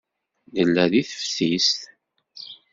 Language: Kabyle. Nella deg teftist.